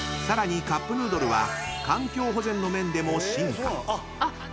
［さらにカップヌードルは環境保全の面でも進化］